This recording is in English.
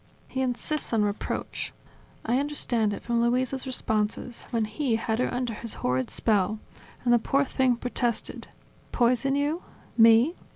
... He insists on reproach: I understand it from Luisa's responses, when he had her under his horrid spell, and the poor thing protested. "Poison you? Me?